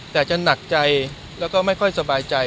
แต่จะหนักใจแล้วก็ไม่ค่อยสบายใจ